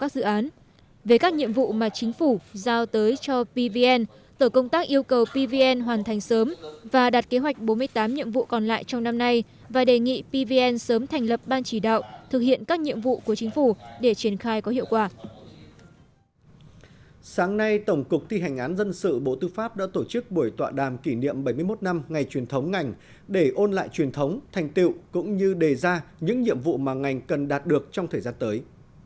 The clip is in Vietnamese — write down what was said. sáng nay tổng cục thi hành án dân sự bộ tư pháp đã tổ chức buổi tọa đàm kỷ niệm bảy mươi một năm ngày truyền thống ngành để ôn lại truyền thống thành tiệu cũng như đề ra những nhiệm vụ mà ngành cần đạt được trong thời gian tới